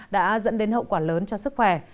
đã dẫn đến hậu quả lớn cho sức khỏe